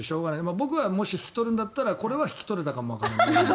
僕はもし引き取るんだったらこれは引き取れたかもわからない。